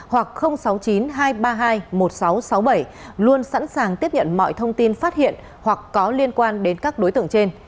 hoặc sáu mươi chín hai trăm ba mươi hai một nghìn sáu trăm sáu mươi bảy luôn sẵn sàng tiếp nhận mọi thông tin phát hiện hoặc có liên quan đến các đối tượng trên